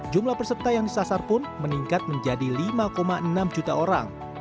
jumlah peserta yang disasar pun meningkat menjadi lima enam juta orang